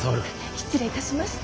失礼いたしました。